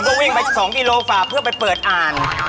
ผมก็วิ่งไปสองกิโลฟาเพื่อไปเปิดอ่าน